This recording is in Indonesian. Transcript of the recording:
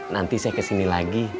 nanti saya ke sini lagi